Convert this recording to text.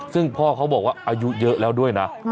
ซึ่งพ่อเขาบอกว่าอายุเยอะแล้วด้วยนะ